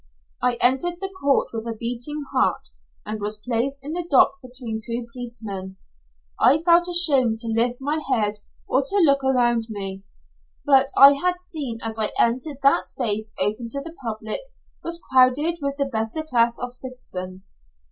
I entered the court with a beating heart, and was placed in the dock between two policemen. I felt ashamed to lift my head or to look around me, but I had seen as I entered that the space open to the public was crowded with the better class of citizens.